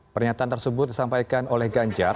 pernyataan tersebut disampaikan oleh ganjar